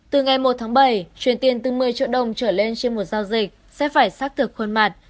từ ngày một tháng bảy truyền tiền từ một mươi triệu đồng trở lên trên một giao dịch sẽ phải xác thực khuôn mặt